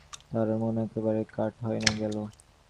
তাহার মন একেবারে কাঠ হইয়া গেল।